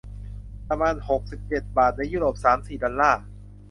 ประมาณ หกสิบเจ็ด บาท ในยุโรป สาม สี่ ดอลลาร์